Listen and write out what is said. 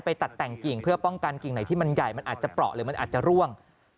ตัดแต่งกิ่งเพื่อป้องกันกิ่งไหนที่มันใหญ่มันอาจจะเปราะหรือมันอาจจะร่วง